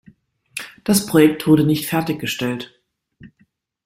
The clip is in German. Das Projekt wurde nicht fertiggestellt.